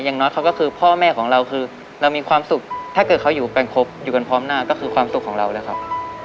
อย่างน้อยเขาก็คือพ่อแม่ของเราคือเรามีความสุขถ้าเกิดเขาอยู่กันครบอยู่กันพร้อมหน้าก็คือความสุขของเราเลยครับ